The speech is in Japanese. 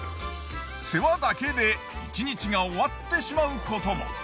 世話だけで１日が終わってしまうことも。